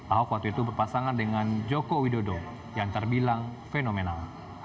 ahok waktu itu berpasangan dengan joko widodo yang terbilang fenomenal